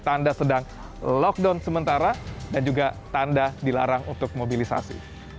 tanda sedang lockdown sementara dan juga tanda dilarang untuk mobilisasi